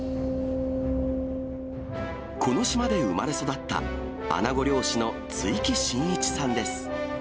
この島で生まれ育った、アナゴ漁師の築城慎一さんです。